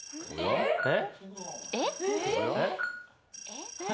えっ？